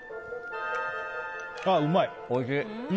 ああ、うまい！